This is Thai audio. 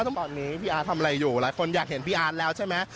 ตอนนี้พี่อาร์ตทำอะไรอยู่หลายคนอยากเห็นพี่อาร์ตแล้วใช่ไหม